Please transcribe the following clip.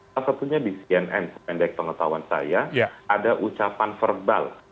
pada saatnya di cnn pendek pengetahuan saya ada ucapan verbal